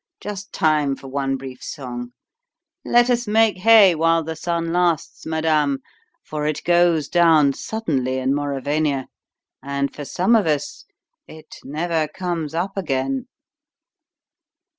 Just time for one brief song. Let us make hay while the sun lasts, madame, for it goes down suddenly in Mauravania; and for some of us it never comes up again!"